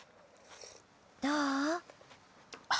どう？